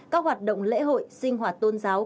các hoạt động lễ hội sinh hoạt tôn giáo